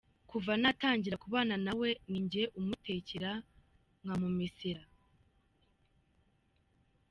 Kuva natangira kubana nawe ninjye umutekera, nkamumesera.